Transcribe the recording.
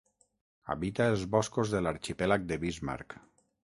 Habita els boscos de l'arxipèlag de Bismarck.